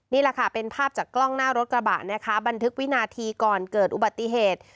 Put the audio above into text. นี่แหละค่ะเป็นภาพจากกล้องหน้ารถกระบะนะคะบันทึกวินาทีก่อนเกิดอุบัติเหตุ